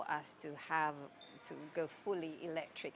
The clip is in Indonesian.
untuk kita memiliki elektrik